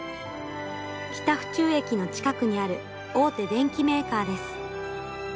北府中駅の近くにある大手電機メーカーです。